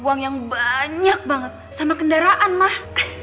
uang yang banyak banget sama kendaraan mah